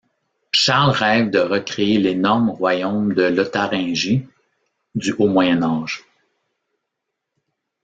Charles rêve de récréer l’énorme royaume de Lotharingie du Haut Moyen Âge.